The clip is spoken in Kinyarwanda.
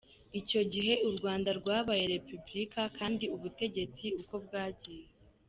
icyo gihe Urwanda rwabaye Repubulika kandi ubutegetsi uko bwagiye